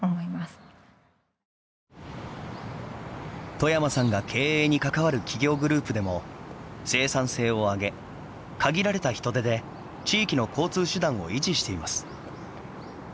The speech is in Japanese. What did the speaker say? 冨山さんが経営に関わる企業グループでも生産性を上げ限られた人手で地域の交通手段を維持しています。